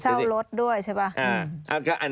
เช่ารถด้วยใช่ไหม